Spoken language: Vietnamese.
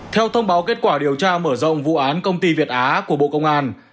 theo thông báo kết quả điều tra mở rộng vụ án công ty việt á của bộ công an